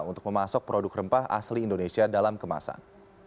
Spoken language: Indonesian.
untuk memasuk produk rempah asli indonesia dalam kemasan